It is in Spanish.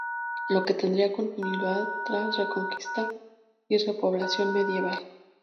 Lo que tendrá continuidad tras la Reconquista y Repoblación medieval.